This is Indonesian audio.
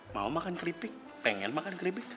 mau makan keripik pengen makan keripik